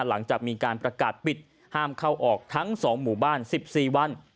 หลังจากมีการประกาศปิดห้ามเข้าออกทั้ง๒หมู่บ้าน๑๔วัน